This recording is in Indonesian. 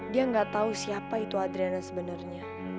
dia gak tau siapa itu adriana sebenernya